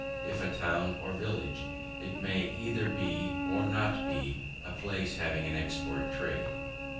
If a town or village, it may either be or not be a place having an export trade.